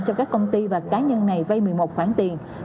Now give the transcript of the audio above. cho các công ty và cá nhân này vây một mươi một khoản tiền